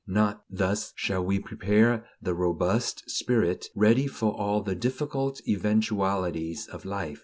Not thus shall we prepare the robust spirit, ready for all the difficult eventualities of life.